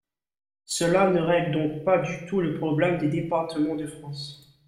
Cela ne règle donc pas du tout le problème des départements de France.